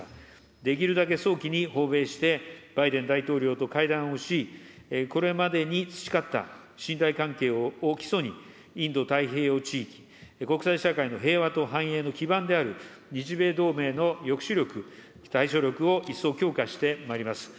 できるだけ早期に訪米して、バイデン大統領と会談をし、これまでに培った信頼関係を基礎に、インド太平洋地域、国際社会の平和と繁栄の基盤である日米同盟の抑止力、対処力を一層強化してまいります。